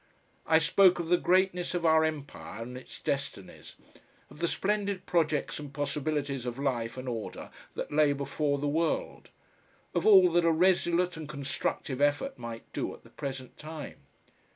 I spoke of the greatness of our empire and its destinies, of the splendid projects and possibilities of life and order that lay before the world, of all that a resolute and constructive effort might do at the present time.